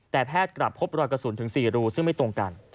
แต่แพทย์กลับพบรอยกระสุนถึง๔รูซึ่งไม่ตรงกัน